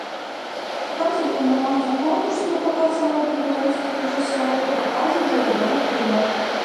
Там запланаваныя конкурсныя паказы маладых беларускіх рэжысёраў і паказы ўжо вядомых фільмаў.